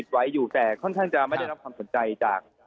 ไว้อยู่แต่ค่อนข้างจะไม่ได้รับความสนใจจาก